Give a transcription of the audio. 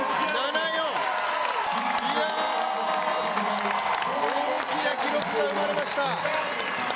いや、大きな記録が生まれました。